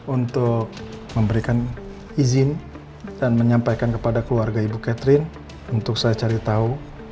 untuk memberikan izin dan menyampaikan kepada keluarga ibu catherine untuk saya cari tahu